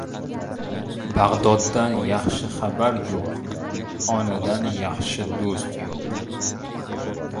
• Bag‘doddan yaxshi shahar yo‘q, onadan yaxshi do‘st yo‘q.